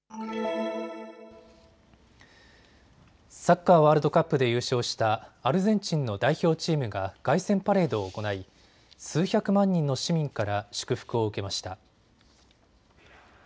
サッカーワールドカップで優勝したアルゼンチンの代表チームが凱旋パレードを行い数百万人の市民から祝福を受けました。